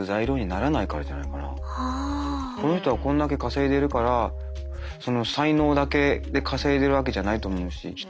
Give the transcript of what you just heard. この人はこんだけ稼いでるからその才能だけで稼いでるわけじゃないと思うし人だし。